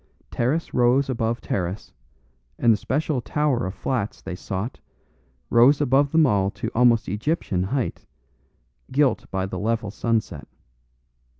Terrace rose above terrace, and the special tower of flats they sought, rose above them all to almost Egyptian height, gilt by the level sunset.